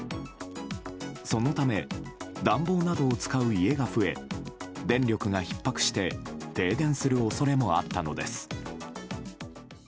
そのため暖房などを使う家が増え電力がひっ迫して停電する恐れもあったのです。